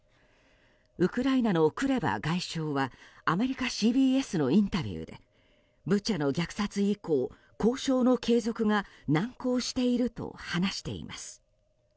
ウクライナのクレバ外相はアメリカＣＢＳのインタビューでブチャの虐殺以降交渉の継続が難航していると話しています。